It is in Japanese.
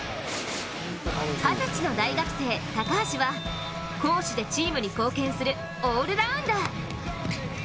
二十歳の大学生、高橋は攻守でチームに貢献するオールラウンダー。